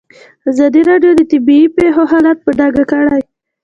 ازادي راډیو د طبیعي پېښې حالت په ډاګه کړی.